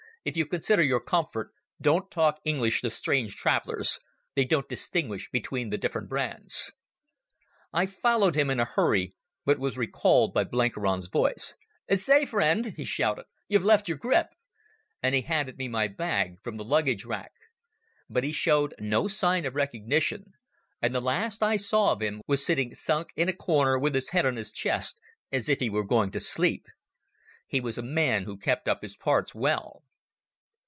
"If you consider your comfort, don't talk English to strange travellers. They don't distinguish between the different brands." I followed him in a hurry, but was recalled by Blenkiron's voice. "Say, friend," he shouted, "you've left your grip," and he handed me my bag from the luggage rack. But he showed no sign of recognition, and the last I saw of him was sitting sunk in a corner with his head on his chest as if he were going to sleep. He was a man who kept up his parts well.